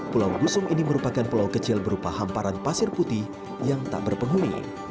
pulau gusum ini merupakan pulau kecil berupa hamparan pasir putih yang tak berpenghuni